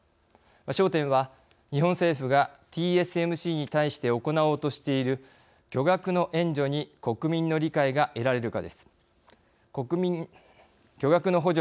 焦点は日本政府がＴＳＭＣに対して行おうとしている巨額の補助に国民の理解が得られるかです。